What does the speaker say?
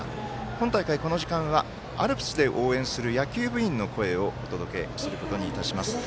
今大会、この時間はアルプスで応援する野球部員の声をお届けすることにいたします。